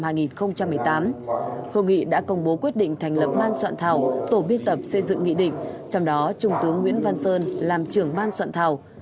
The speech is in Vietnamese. hội nghị đã công bố quyết định thành lập ban soạn thảo tổ biên tập xây dựng nghị định trong đó trung tướng nguyễn văn sơn làm trưởng ban soạn thảo